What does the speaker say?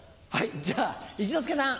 じゃあ一之輔さん。